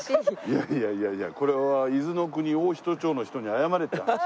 いやいやいやいやこれは伊豆の国大仁町の人に謝れって話だよ。